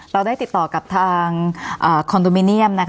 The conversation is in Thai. เราได้ติดต่อกับทางคอนโดมิเนียม